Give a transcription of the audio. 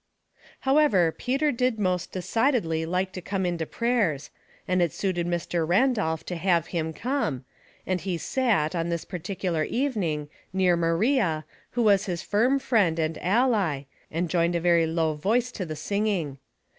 However, Peter did most decidedly like to come in to prayers, and it suited Mr. Randolph to have him come, and he sat, on this particular evening, near Maria, who was his firm friend and ally, and joined a very low voice to the singing.